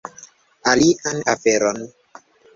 Alian aferon